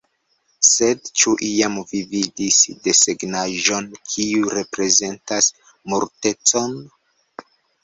« Sed, ĉu iam vi vidis desegnaĵon kiu reprezentas Multecon?"